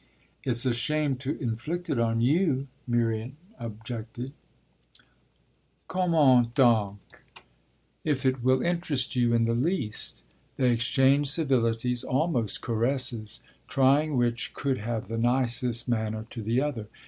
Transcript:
"_ "It's a shame to inflict it on you," Miriam objected. "Comment donc? If it will interest you in the least!" They exchanged civilities, almost caresses, trying which could have the nicest manner to the other.